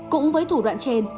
cũng với thủ đoạn trên